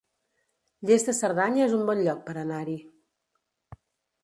Lles de Cerdanya es un bon lloc per anar-hi